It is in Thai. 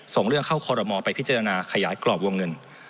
ส่งลิงเข้าครมไปพิจารณาขยายกรอบวงเงิน